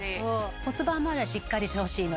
骨盤まわりはしっかりしてほしいので。